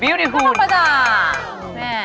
วิวดิฮูนค่ะแม่ประมาทครับแม่